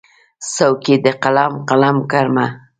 څوکې د قلم، قلم کرمه